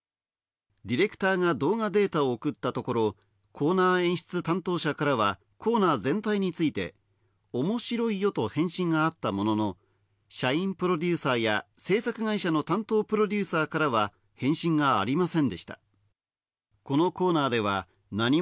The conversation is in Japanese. ディレクターが動画データを送ったところコーナー演出担当者からはコーナー全体について「おもしろいよ」と返信があったものの社員プロデューサーや制作会社の担当プロデューサーからは返信がありませんでした